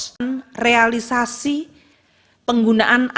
dan realisasi penggunaan alokasi